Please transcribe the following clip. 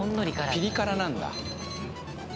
ピリ辛なんだ